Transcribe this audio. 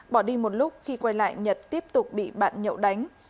bỏ đi một lúc khi quay lại nhật tiếp tục bị bạn nhậu đánh